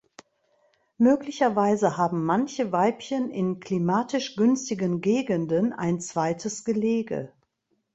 Möglicherweise haben manche Weibchen in klimatisch günstigen Gegenden ein zweites Gelege.